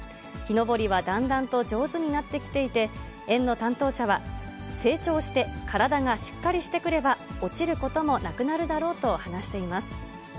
木登りはだんだんと上手になってきていて、園の担当者は、成長して体がしっかりしてくれば、落ちることもなくなるだろうと話しています。